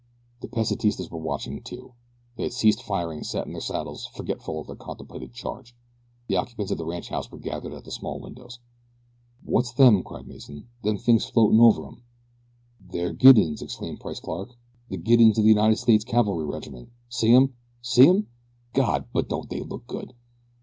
The Pesitistas were watching too. They had ceased firing and sat in their saddles forgetful of their contemplated charge. The occupants of the ranchhouse were gathered at the small windows. "What's them?" cried Mason "them things floating over 'em." "They're guidons!" exclaimed Price Clark " the guidons of the United States cavalry regiment. See 'em! See 'em? God! but don't they look good?"